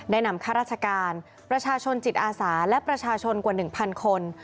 นำข้าราชการประชาชนจิตอาสาและประชาชนกว่า๑๐๐คน